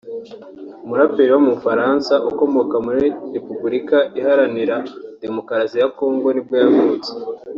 umuraperi w’umufaransa ukomoka muri Repubulika iharanira Demokarasi ya Congo nibwo yavutse